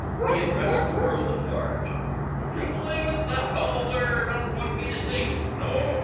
He addressed the world at large. "Would you believe it that fellow there don't want me to sing!... No!